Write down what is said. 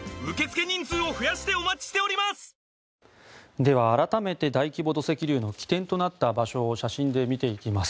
では、改めて大規模土石流の起点となった場所を写真で見ていきます。